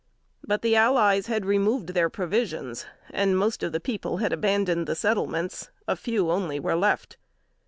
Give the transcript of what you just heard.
But the allies had removed their provisions, and most of the people had abandoned the settlements. A few only were left.